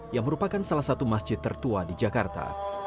yang merupakan salah satu masjid tertua di jakarta